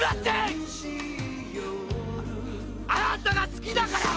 「あなたが好きだから！